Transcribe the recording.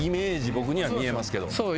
僕には見えますけどそう